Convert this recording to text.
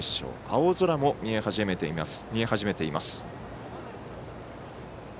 青空も見え始めています。